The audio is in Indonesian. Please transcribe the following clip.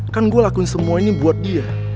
kan gue lakuin semua ini buat dia